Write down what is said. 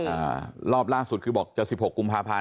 อ่ารอบล่าสุดคือบอกจะ๑๖กุมพาพันธ์